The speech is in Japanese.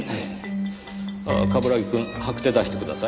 ああ冠城くん白手出してください。